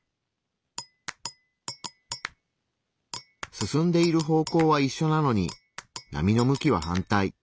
進んでいる方向はいっしょなのに波の向きは反対。